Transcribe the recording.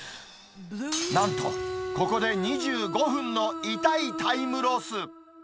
なんと、ここで２５分の痛いタイムロス。